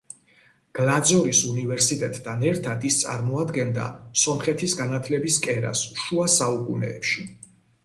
გლაძორის უნივერსიტეტთან ერთად ის წარმოადგენდა სომხეთის განათლების კერას შუა საუკუნეებში.